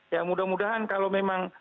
ya mudah mudahan kalau memang